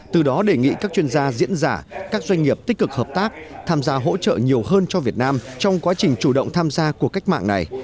từ đó đề nghị các chuyên gia diễn giả các doanh nghiệp tích cực hợp tác tham gia hỗ trợ nhiều hơn cho việt nam trong quá trình chủ động tham gia cuộc cách mạng này